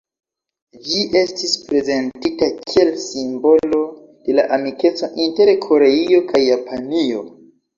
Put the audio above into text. Ĝi estis prezentita kiel "simbolo de la amikeco inter Koreio kaj Japanio".